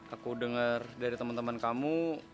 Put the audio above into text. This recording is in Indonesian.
aku denger dari temen temen kamu